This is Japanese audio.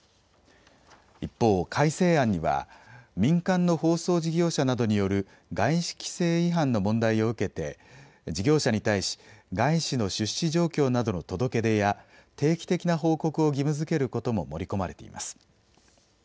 一方、改正案には民間の放送事業者などによる外資規制違反の問題を受けて事業者に対し外資の出資状況などの届け出や定期的な報告を義務づけることも盛り込まれています。